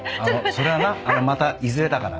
それはなまたいずれだから。